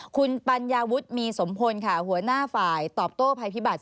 คุณปัญญาวุฒิมีสมพลค่ะหัวหน้าฝ่ายตอบโต้ภัยพิบัติ